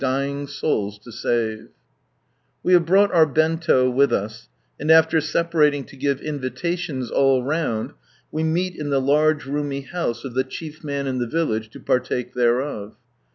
Dying sButi la save J " We have brought our " Benlo " with us, and after separating to give invitations all round, we meet in the large roomy house of the chief man in the village to partake thereof.